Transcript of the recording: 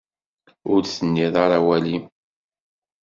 Ur d-tenniḍ ara awal-im.